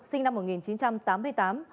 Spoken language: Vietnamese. sinh năm một nghìn chín trăm tám mươi tám